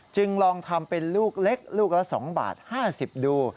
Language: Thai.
จึงลองทำเป็นลูกเล็กลูกละ๒บาท๕๐ดู